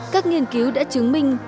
các nghiên cứu đã chứng minh